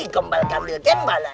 gombal gambal gembala